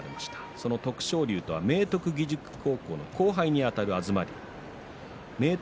その徳勝龍とは明徳義塾高校の後輩にあたる東龍明徳